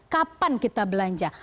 kapan kita belanja